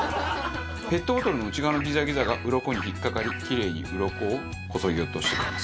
ペットボトルの内側のギザギザがウロコに引っかかりキレイにウロコをこそぎ落としてくれます。